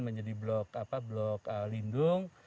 menjadi blok lindung